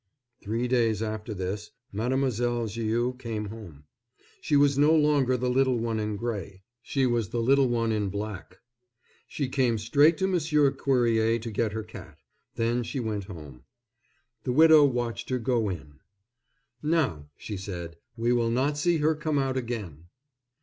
Three days after this, Mademoiselle Viau came home. She was no longer the little one in gray; she was the little one in black. She came straight to Monsieur Cuerrier to get her cat. Then she went home. The widow watched her go in. "Now," she said, "we will not see her come out again."